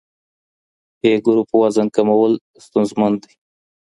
A ګروپ وزن کمول ستونزمن دی.